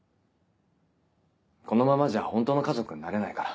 このままじゃ本当の家族になれないから。